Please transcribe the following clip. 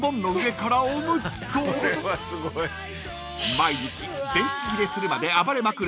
［毎日電池切れするまで暴れまくる